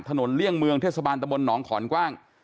เลี่ยงเมืองเทศบาลตะบลหนองขอนกว้าง